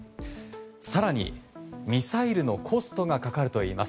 更に、ミサイルのコストがかかるといいます。